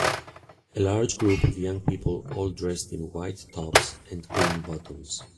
a large group of young people all dressed in white tops and green bottoms